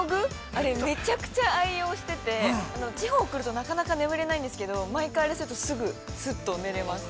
あれ、めちゃくちゃ愛用してて地方に来るとなかなか眠れないんですけど、毎回あれするとすぐ、すっと寝れます。